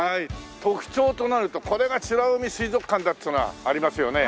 特徴となるとこれが美ら海水族館だっていうのはありますよね。